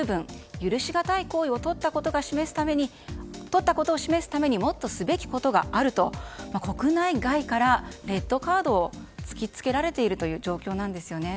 許しがたい行為をとったことを示すためにもっとすべきことがあると国内外からレッドカードを突きつけられているという状況なんですよね。